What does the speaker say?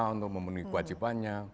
untuk memenuhi kewajibannya